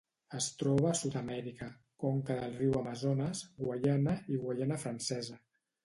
Es troba a Sud-amèrica: conca del riu Amazones, Guaiana i Guaiana Francesa.